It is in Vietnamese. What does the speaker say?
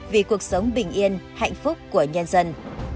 vì cuộc sống bình yên hạnh phúc của nhân dân